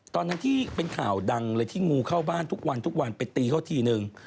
ตอนนั้นที่เป็นข่าวดังเลยที่งูเข้าบ้านทุกวันทุกวันไปตีเขาทีนึง